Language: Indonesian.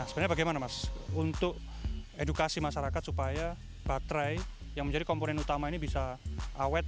sebenarnya bagaimana mas untuk edukasi masyarakat supaya baterai yang menjadi komponen utama ini bisa awet